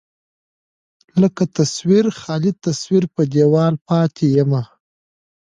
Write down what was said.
لکه تصوير، خالي تصوير په دېواله پاتې يم